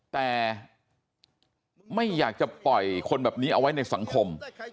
แต่ไม่อยากจะปล่อยคนแบบนี้เอาไว้ในสังคม